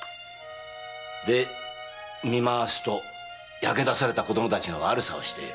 で見回すと焼け出された子供達が悪さをしている。